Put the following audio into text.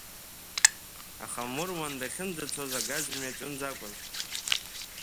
Аха Мурман дахьынӡацоз агаз мҩаҿынӡа акәын.